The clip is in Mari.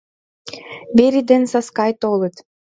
Верий ден Саскай толыт.